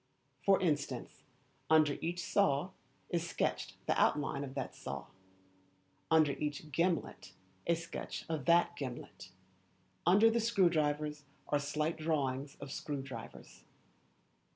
For instance, under each saw is sketched the outline of that saw, under each gimlet a sketch of that gimlet, under the screw drivers are slight drawings of screw drivers.